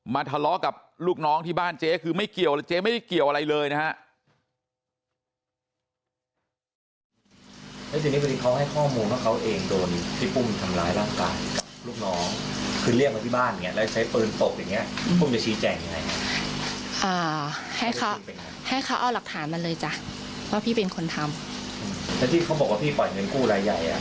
ทะเลาะกับลูกน้องที่บ้านเจ๊คือไม่เกี่ยวเลยเจ๊ไม่ได้เกี่ยวอะไรเลยนะฮะ